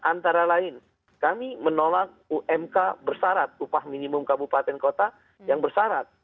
antara lain kami menolak umk bersarat upah minimum kabupaten kota yang bersarat